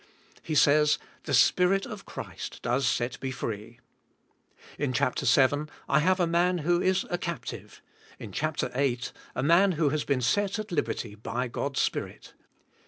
He says, "The Spirit of Christ does set me free." In chapter seven I have a man who is a cap tive; in chapter eight, a man who has been set at Wii^tlNG And doing. 183 liberty by God's Spirit.